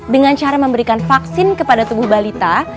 dengan cara memberikan vaksin kepada tubuh balita